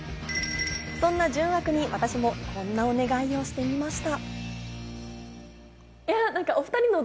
そんな純悪に私もこんなお願いをしてみました。